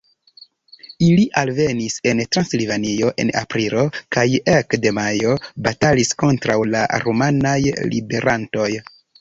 Ili alvenis en Transilvanio en aprilo kaj ekde majo batalis kontraŭ la rumanaj ribelantoj.